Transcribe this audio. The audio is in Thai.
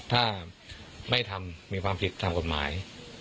ถ้าไม่ทำมีความผิดตามกฎหมาย